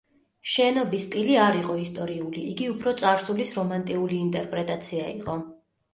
შენობის სტილი არ იყო ისტორიული, იგი უფრო წარსულის რომანტიული ინტერპრეტაცია იყო.